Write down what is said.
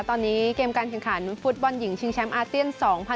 ตอนนี้เกมการแข่งขันฟุตบอลหญิงชิงแชมป์อาเซียน๒๐๑๖